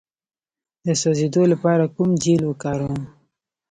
د سوځیدو لپاره کوم جیل وکاروم؟